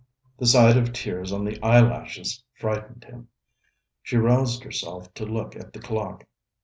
The sight of tears on the eyelashes frightened him. She roused herself to look at the clock.